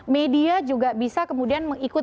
media juga bisa kemudian mengikut